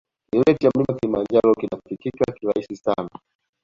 Kilele cha mlima kilimanjaro kinafikika kirahisi sana